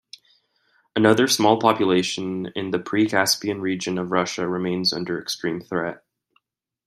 Another small population in the Pre-Caspian region of Russia remains under extreme threat.